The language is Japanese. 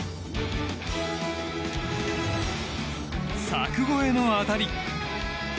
柵越えの当たり！